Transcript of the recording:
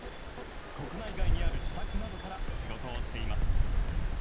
国内外にある自宅などから仕事をしています。